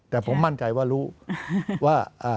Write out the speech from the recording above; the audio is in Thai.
แต่ผมมั่นใจว่ารู้ว่า